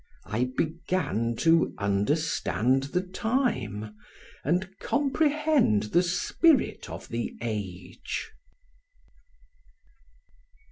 I began to understand the time and comprehend the spirit of the age.